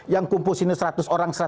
yang kumpul sini seratus orang